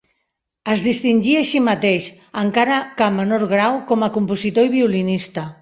Es distingí així mateix, encara que menor grau, com a compositor i violinista.